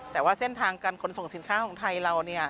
แต่ว่าเส้นทางการขนส่งสินค้าของไทยเราเนี่ย